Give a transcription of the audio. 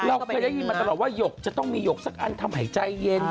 เราเคยได้ยินมาตลอดว่าหยกจะต้องมีหยกสักอันทำให้ใจเย็น